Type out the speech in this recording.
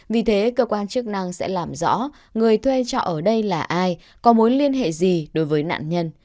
vì thế cơ quan chức năng sẽ làm rõ người thuê trọ ở đây là ai có mối liên hệ gì đối với nạn nhân